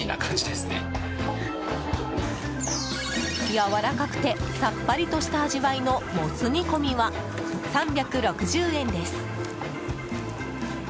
やわらかくてさっぱりとした味わいのモツ煮込みは、３６０円です。